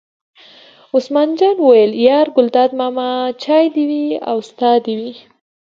عثمان جان وویل: یار ګلداد ماما چای دې وي او ستا دې وي.